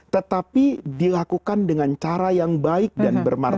tetapi dilakukan dengan cara yang baik dan bermartabat